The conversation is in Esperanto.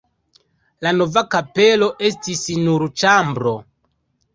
La nova kapelo estis nur ĉambro.